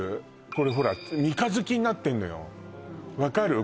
これほら三日月になってんのよ分かる？